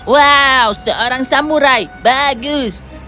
wow seorang samurai bagus